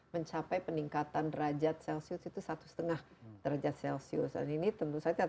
mencapai perubahan iklim yang terakhir ini dan kita sudah mencapai satu lima derajat celcius dan ini tentu saja